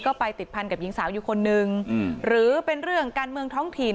ก็ไปติดพันกับหญิงสาวอยู่คนนึงหรือเป็นเรื่องการเมืองท้องถิ่น